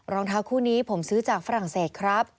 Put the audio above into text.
รองเท้าคู่นี้ผมซื้อจากฝรั่งเศสครับ